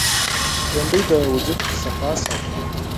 بېنډۍ د وجود صفا ساتي